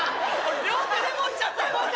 両手で持っちゃって。